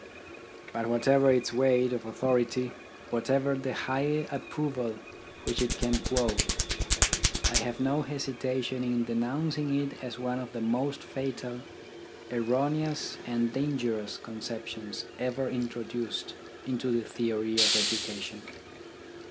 But whatever its weight of authority, whatever the high approval which it can quote, I have no hesitation in denouncing it as one of the most fatal, erroneous, and dangerous conceptions ever introduced into the theory of education.